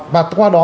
và qua đó